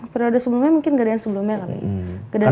periode sebelumnya mungkin gedean sebelumnya kali